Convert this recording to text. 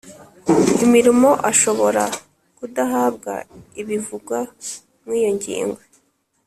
imirimo ashobora kudahabwa ibivugwa mu iyo ngingo